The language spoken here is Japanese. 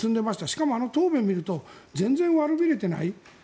しかも、あの答弁を見ると全然悪びれていない。